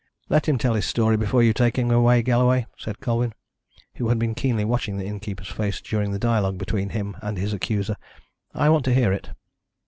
"Let him tell his story before you take him away, Galloway," said Colwyn, who had been keenly watching the innkeeper's face during the dialogue between him and his accuser. "I want to hear it."